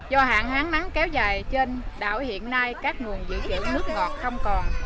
do hạn hán nắng kéo dài trên đảo hiện nay các nguồn dự trữ nước ngọt không còn